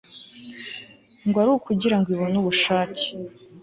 ngo ari ukugira ngo ibone ubushake